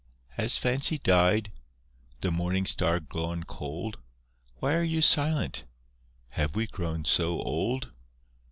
Has Fancy died? The Morning Star gone cold? Why are you silent? Have we grown so old?